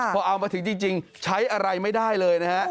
พอเอามาถึงจริงใช้อะไรไม่ได้เลยนะฮะ